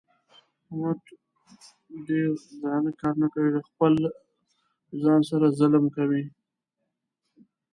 احمد ډېر درانه کارونه کوي. له خپل ځان سره ظلم کوي.